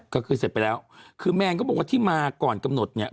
ก็คือเสร็จไปแล้วคือแมนก็บอกว่าที่มาก่อนกำหนดเนี่ย